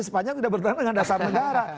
sepanjang tidak bertentangan dengan dasar negara